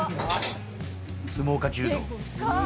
相撲か柔道。